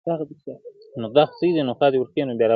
د تازه هوا مصرف یې ورښکاره کړ!!